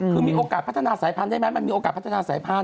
คือมีโอกาสพัฒนาสายพรรณได้ไหมว่ามีโอกาสพัฒนาสายพรรณ